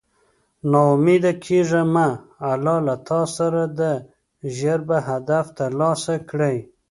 نا اميده کيږه مه الله له تاسره ده ژر به هدف تر لاسه کړی